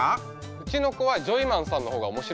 うちの子はジョイマンさんの方が面白かったって。